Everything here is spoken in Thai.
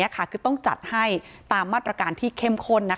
คือต้องจัดให้ตามมาตรการที่เข้มข้น